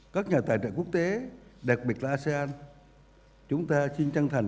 các nhà tài trợ quốc tế đặc biệt là asean